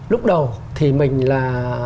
lúc đầu thì mình là